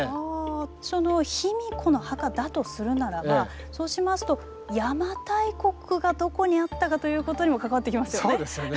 その卑弥呼の墓だとするならばそうしますと邪馬台国がどこにあったかということにも関わってきますよね。